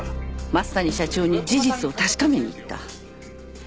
増谷社長に事実を確かめに行った。